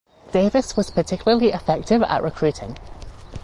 Davis was particularly effective at recruiting.